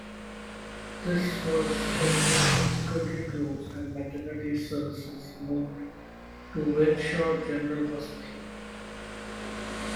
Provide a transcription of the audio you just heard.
This was also subsequently closed and maternity services moved to Wishaw General Hospital.